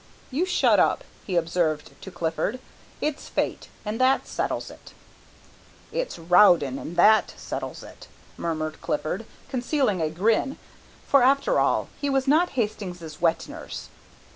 "You shut up," he observed to Clifford, "it's fate, and that settles it." "It's Rowden, and that settles it," murmured Clifford, concealing a grin. For after all he was not Hastings' wet nurse.